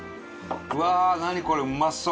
うわ何これうまそう。